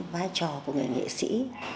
vai trò của người nghệ sĩ